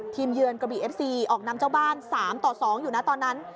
เยือนกระบีเอฟซีออกนำเจ้าบ้าน๓ต่อ๒อยู่นะตอนนั้น